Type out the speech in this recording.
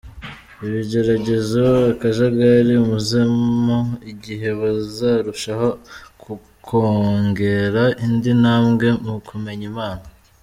Ibigeragezo, akajagari umazemo igihe bizarushaho kukongera indi ntambwe mu kumenya Imana.